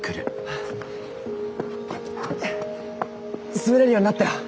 滑れるようになったよ。